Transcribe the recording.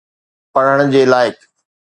پڙهڻ جي لائق.